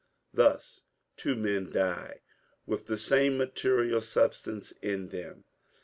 Thus two men die with the same material substance in them.